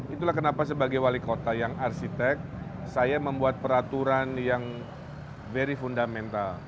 itulah kenapa sebagai wali kota yang arsitek saya membuat peraturan yang very fundamental